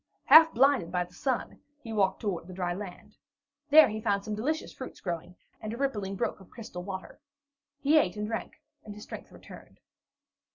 Half blinded by the sun, he walked toward the dry land. There he found some delicious fruits growing, and a rippling brook of crystal water. He ate and drank, and his strength returned.